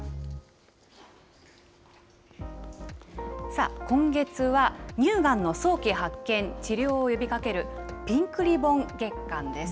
さあ、今月は乳がんの早期発見、治療を呼びかけるピンクリボン月間です。